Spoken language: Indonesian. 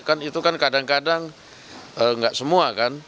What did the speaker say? kan itu kan kadang kadang nggak semua kan